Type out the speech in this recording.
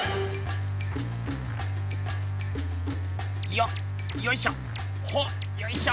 よっよいしょ！